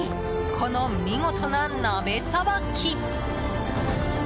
この見事な鍋さばき。